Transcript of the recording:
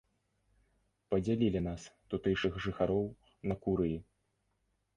Падзялілі нас, тутэйшых жыхароў, на курыі.